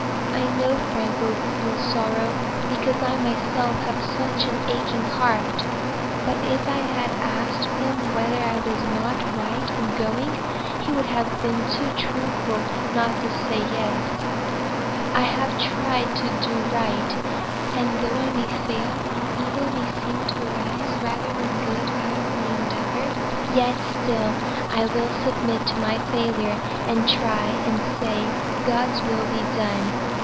I know Frank will feel sorrow, because I myself have such an aching heart; but if I had asked him whether I was not right in going, he would have been too truthful not to have said yes. I have tried to do right, and though I may fail, and evil may seem to arise rather than good out of my endeavor, yet still I will submit to my failure, and try and say 'God's will be done!'